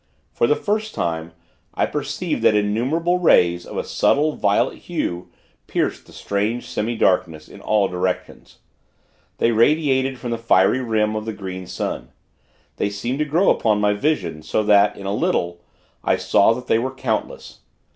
For the first time, I perceived that innumerable rays, of a subtle, violet hue, pierced the strange semi darkness, in all directions. They radiated from the fiery rim of the Green Sun. They seemed to grow upon my vision, so that, in a little, I saw that they were countless.